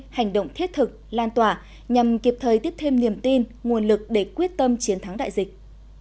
hành động thiết thực lan tỏa nhằm kịp thời tiếp thêm niềm tin nguồn lực để quyết tâm chiến thắng đại dịch